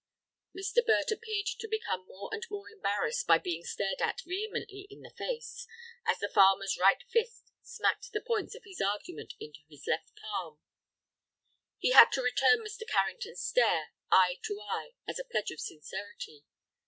Mr. Burt appeared to become more and more embarrassed by being stared at vehemently in the face, as the farmer's right fist smacked the points of his argument into his left palm. He had to return Mr. Carrington's stare, eye to eye, as a pledge of sincerity.